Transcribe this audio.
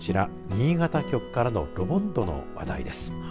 新潟局からのロボットの話題です。